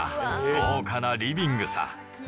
豪かなリビングさ。